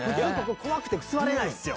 怖くて座れないっすよ。